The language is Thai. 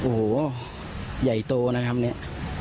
โอ้โหใหญ่โตนะครับเนี่ย